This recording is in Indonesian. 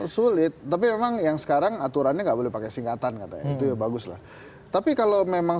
sulit tapi memang yang sekarang aturannya nggak boleh pakai singkatan katanya itu ya baguslah tapi kalau memang